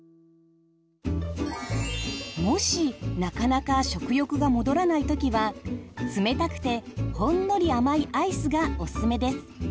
もしなかなか食欲が戻らないときは冷たくてほんのり甘いアイスがオススメです。